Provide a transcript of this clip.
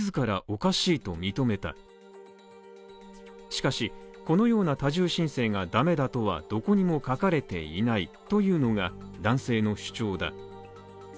しかし、このような多重申請が駄目だとはどこにも書かれていないというのが男性の主張だ。